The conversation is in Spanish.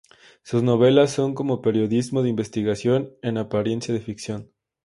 Sus novelas son como periodismo de investigación en apariencia de ficción.